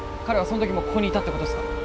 彼はその時もここにいたってことすか？